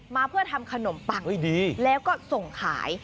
มาเพื่อทำขนมปังแล้วก็ส่งขาย